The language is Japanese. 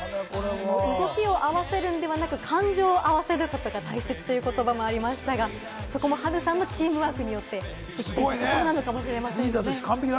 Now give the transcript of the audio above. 動きを合わせるのではなく、感情を合わせるということが大切という言葉もありましたが、そこもハルさんのチームワークによってできたことなのかもしれませんね。